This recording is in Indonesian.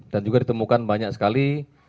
dan juga ditemukan banyak sekali